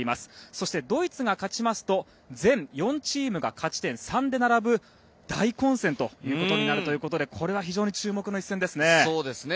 そしてドイツが勝ちますと全４チームが勝ち点３で並ぶ大混戦ということになるということでこれは非常に注目の一戦ですね。